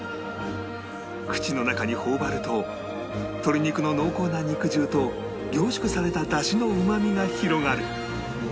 口の中に頬張ると鶏肉の濃厚な肉汁と凝縮された出汁のうまみが広がる